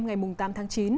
ngày tám tháng chín